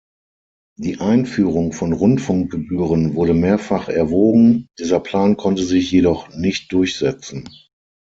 Die Einführung von Rundfunkgebühren wurde mehrfach erwogen, dieser Plan konnte sich jedoch nicht durchsetzen.